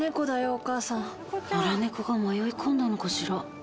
お母さん野良猫が迷い込んだのかしら？